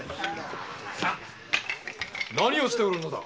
何をしておるのだ？